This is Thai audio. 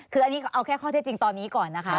คืออันนี้เอาแค่ข้อเท็จจริงตอนนี้ก่อนนะคะ